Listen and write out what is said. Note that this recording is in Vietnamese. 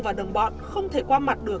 và đồng bọn không thể qua mặt được